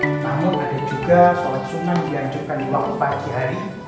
namun ada juga sholat sunnah yang dianjurkan di waktu pagi hari